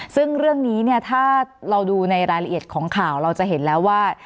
ซึ่งเรื่องนี้เนี่ยถ้าเราดูในรายละเอียดของข่าวเราจะเห็นแล้วว่า